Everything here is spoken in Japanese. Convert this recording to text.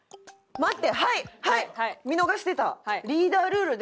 待って！